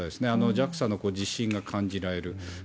ＪＡＸＡの自信が感じられる。